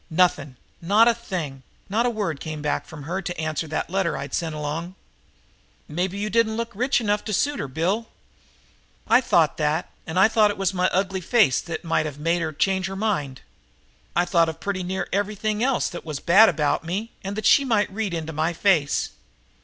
"Nothing, not a thing. Not a word came back from her to answer that letter I'd sent along." "Maybe you didn't look rich enough to suit her, Bill." "I thought that, and I thought it was my ugly face that might of made her change her mind. I thought of pretty near everything else that was bad about me and that she might of read in my face.